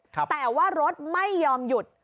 แต่ว่ารถไม่ยอมหยุด